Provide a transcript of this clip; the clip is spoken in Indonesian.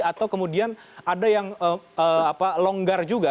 atau kemudian ada yang longgar juga